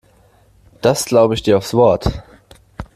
Das glaube ich dir aufs Wort.